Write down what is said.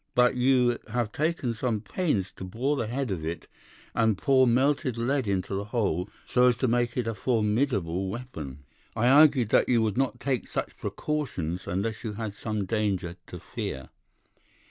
But you have taken some pains to bore the head of it and pour melted lead into the hole so as to make it a formidable weapon. I argued that you would not take such precautions unless you had some danger to fear.